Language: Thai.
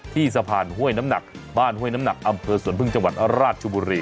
สะพานห้วยน้ำหนักบ้านห้วยน้ำหนักอำเภอสวนพึ่งจังหวัดราชบุรี